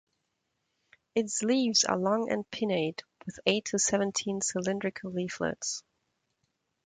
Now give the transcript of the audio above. Its leaves are long and pinnate with eight to seventeen cylindrical leaflets.